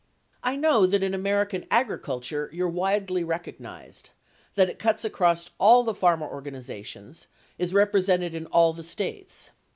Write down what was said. I know that in American agriculture you're widely recognized ; that it cuts across all the farmer organizations, is represented in all the States.